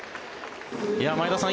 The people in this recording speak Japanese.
前田さん